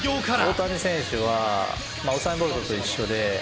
大谷選手は、ウサイン・ボルトと一緒で。